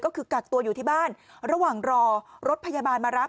ก็คือกักตัวอยู่ที่บ้านระหว่างรอรถพยาบาลมารับ